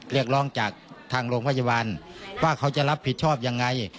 เรียกร้องจากทางโรงพยาบาลว่าเขาจะรับผิดชอบยังไง